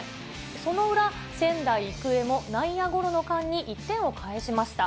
その裏、仙台育英も内野ゴロの間に１点を返しました。